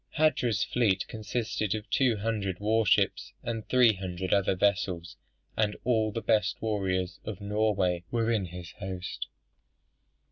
Hardrada's fleet consisted of two hundred war ships, and three hundred other vessels, and all the best warriors of Norway were in his host.